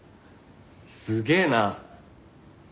すげえな。